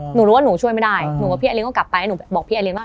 หนูรู้ว่าหนูช่วยไม่ได้หนูก็กลับไปบอกพี่ไอรินว่า